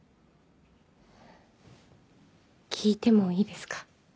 聞いてもいいですか？